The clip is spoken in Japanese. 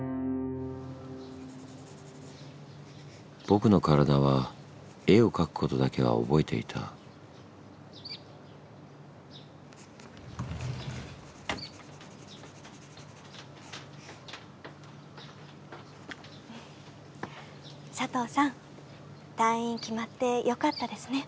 僕の体は絵を描くことだけは覚えていたサトウさん退院決まってよかったですね。